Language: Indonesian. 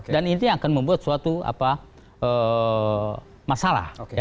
dan ini akan membuat suatu masalah